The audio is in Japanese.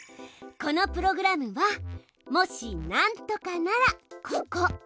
このプログラムはもし何とかならここ。